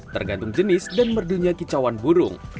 tergantung jenis dan merdunya kicauan burung